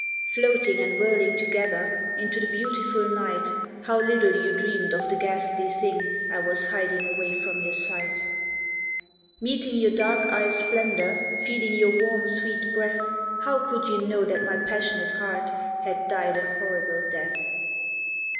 Floating and whirling together, Into the beautiful night, How little you dreamed of the ghastly thing I was hiding away from your sight. Meeting your dark eyes' splendour, Feeling your warm, sweet breath, How could you know that my passionate heart Had died a horrible death?